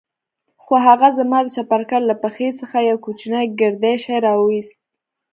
خو هغه زما د چپرکټ له پښې څخه يو کوچنى ګردى شى راوايست.